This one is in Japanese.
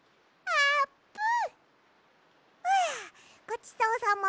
あーぷん？